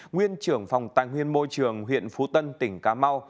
nguyên trưởng phòng tàng huyên môi trường huyện phú tân tỉnh cà mau